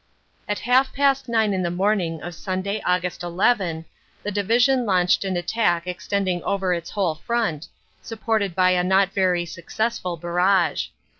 At half past nine in the morning of Sunday, Aug. 11, the Division launched an attack extending over its whole front, supported by a not very successful barrage.